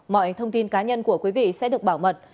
mọi thông tin cá nhân của quý vị sẽ được bảo mật